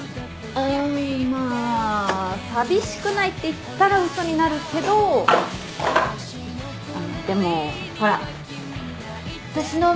うんまあ寂しくないって言ったら嘘になるけどあのでもほら私の周りって何かにぎやかで。